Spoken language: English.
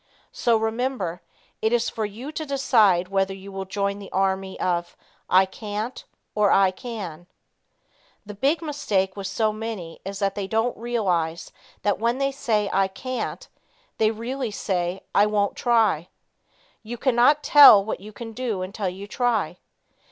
So remember, it is for you to decide whether you will join the army of "I can't" or "I can." The big mistake with so many is that they don't realize that when they say "I can't," they really say, "I won't try." You can not tell what you can do until you try.